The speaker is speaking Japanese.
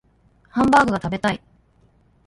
ハンバーグが食べたい